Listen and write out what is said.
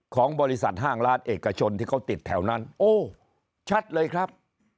ของบริษัทห้างร้านเอกชนที่เขาติดแถวนั้นโอ้ชัดเลยครับ